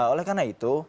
oleh karena itu